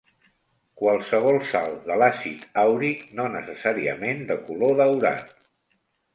Qualsevol sal de l'àcid àuric, no necessàriament de color daurat.